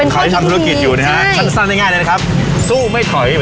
ขายทำธุรกิจอยู่ใช่ได้ง่ายเลยนะครับสู้ไม่ถอยอยู่ในที่เทียบบ